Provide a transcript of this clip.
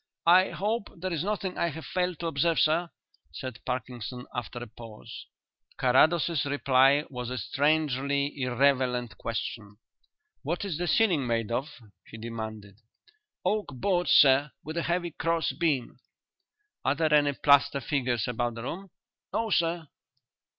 "I hope there is nothing I have failed to observe, sir," said Parkinson, after a pause. Carrados's reply was a strangely irrelevant question. "What is the ceiling made of?" he demanded. "Oak boards, sir, with a heavy cross beam." "Are there any plaster figures about the room?" "No, sir."